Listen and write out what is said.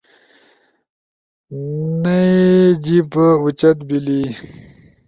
نئی جیِب اُوچت بیلی